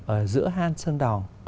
ở giữa hang sơn đòn